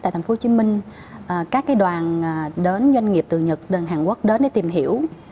tại tp hcm các đoàn doanh nghiệp từ nhật đến hàn quốc đến để tìm hiểu